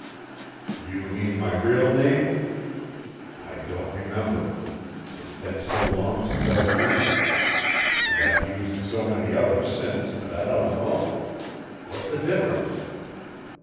"You mean my real name? I don't remember. It's been so long since I've used it, and I've used so many others since that I don't know. What's the difference?"